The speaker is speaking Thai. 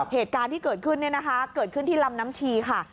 เหตุการณ์ที่เกิดขึ้นเนี่ยนะคะเกิดขึ้นที่ลำน้ำชีค่ะ